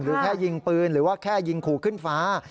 แค่ยิงปืนหรือว่าแค่ยิงขู่ขึ้นฟ้า